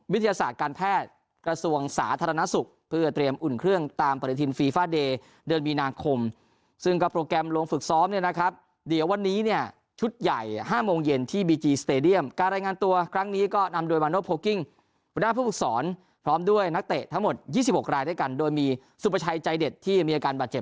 วิทยาศาสตร์การแพทย์กระทรวงสาธารณสุขเพื่อเตรียมอุ่นเครื่องตามปฏิทินฟีฟ่าเดย์เดือนมีนาคมซึ่งกับโปรแกรมลงฝึกซ้อมเนี่ยนะครับเดี๋ยววันนี้เนี่ยชุดใหญ่ห้ามงเย็นที่บีจีสเตรเดียมการรายงานตัวครั้งนี้ก็นำโดยมาโน้ตโพลกิ้งบุญด้านผู้ฝึกสอนพร้อมด้วยนักเตะทั้งหมด